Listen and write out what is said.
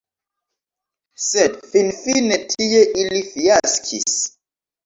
Sed finfine tie ili fiaskis.